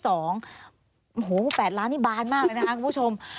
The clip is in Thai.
โอ้โห๘ล้านนี่บานมากเลยนะคะคุณผู้ชม